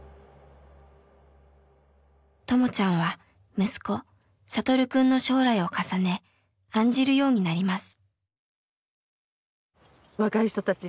ともちゃんは息子聖くんの将来を重ね案じるようになります。